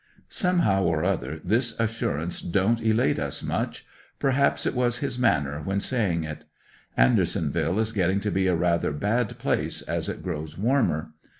Somehow or other this assurance don't elate us much; per haps it was his manner when saying it. Andeisonville is getting to be a rather bad place as it grows warmer.